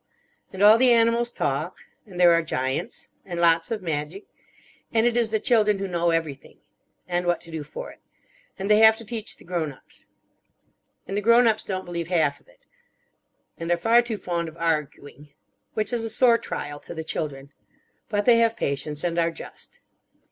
And all the animals talk. And there are giants. And lots of magic. And it is the children who know everything. And what to do for it. And they have to teach the grown ups. And the grown ups don't believe half of it. And are far too fond of arguing. Which is a sore trial to the children. But they have patience, and are just.